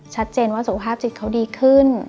ชัดเจนว่าสุขภาพจิตเขาดีขึ้น